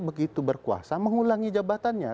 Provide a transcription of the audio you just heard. begitu berkuasa mengulangi jabatannya